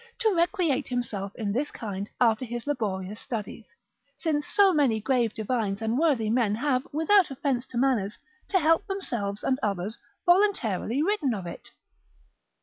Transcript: to recreate himself in this kind after his laborious studies, since so many grave divines and worthy men have without offence to manners, to help themselves and others, voluntarily written of it.